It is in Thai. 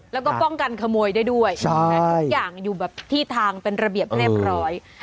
แล้วก็ป้องกันขโมยได้ด้วยทุกอย่างอยู่แบบที่ทางเป็นระเบียบเรียบร้อย